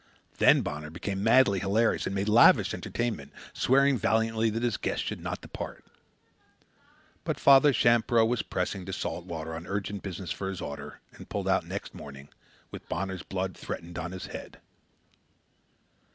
Then Bonner became madly hilarious and made lavish entertainment, swearing valiantly that his guest should not depart. But Father Champreau was pressing to Salt Water on urgent business for his order, and pulled out next morning, with Bonner's blood threatened on his head.